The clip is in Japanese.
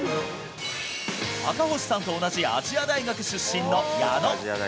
赤星さんと同じ亜細亜大学出身の矢野。